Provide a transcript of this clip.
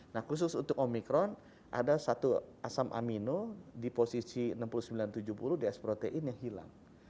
nah khusus untuk omikron ada satu asam amino di posisi enam puluh sembilan tujuh puluh di sprotein yang hilang